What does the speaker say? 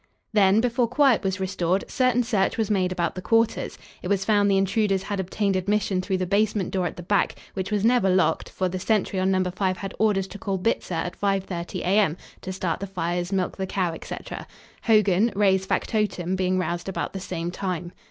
Then, before quiet was restored, certain search was made about the quarters. It was found the intruders had obtained admission through the basement door at the back, which was never locked, for the sentry on Number 5 had orders to call Bitzer at 5:30 A. M., to start the fires, milk the cow, etc., Hogan, Ray's factotum, being roused about the same time.